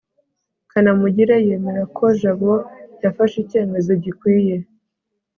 kanamugire yemera ko jabo yafashe icyemezo gikwiye